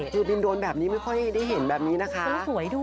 จริงบินโดนแบบนี้ไม่ได้เห็นแบบนี้นะคะ